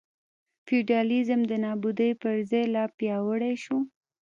فیوډالېزم د نابودۍ پر ځای لا پیاوړی شو.